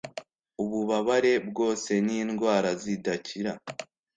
ububabare bwose nindwara zi dakira